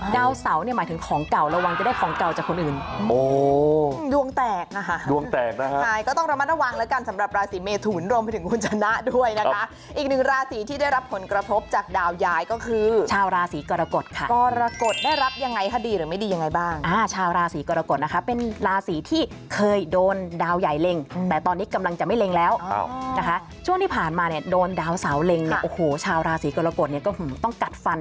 ดาวเสาหมายถึงของเก่าระวังจะได้ของเก่าจากคนอื่น